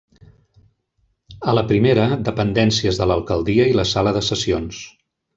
A la primera, dependències de l'alcaldia i la sala de sessions.